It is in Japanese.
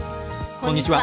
こんにちは。